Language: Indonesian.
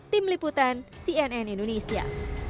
tim liputan cnn indonesia